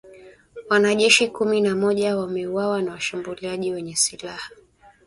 Wanajeshi kumi na moja wameuawa na washambuliaji wenye silaha